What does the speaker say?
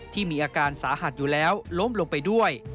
ที่มีอาการสาหัสอยู่แล้วล้มลงไปด้วย